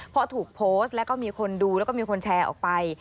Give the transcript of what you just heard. พอถูกโพสต์แล้วก็มีคนดูแล้วก็มีคนแชร์ออกไป